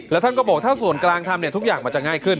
แล้วท่านก็บอกถ้าส่วนกลางทำเนี่ยทุกอย่างมันจะง่ายขึ้น